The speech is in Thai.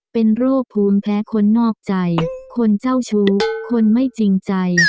เป็นโรคภูมิแพ้คนนอกใจคนเจ้าชู้คนไม่จริงใจ